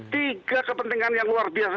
tiga kepentingan yang luar biasa